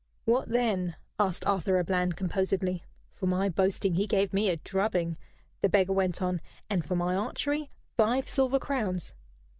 "What then?" asked Arthur à Bland, composedly. "For my boasting he gave me a drubbing," the beggar went on, "and for my archery five silver crowns."